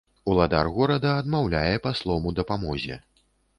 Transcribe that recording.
Уладар горада адмаўляе паслом у дапамозе.